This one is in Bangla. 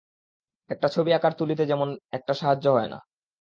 একটা ছবি আঁকার তুলিতে তেমন একটা সাহায্য হয় না।